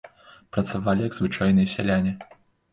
Працавалі як звычайныя сяляне.